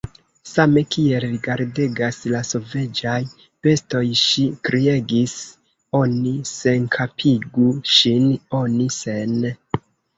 same kiel rigardegas la sovaĝaj bestoj, ŝi kriegis: "Oni senkapigu ŝin, oni sen…"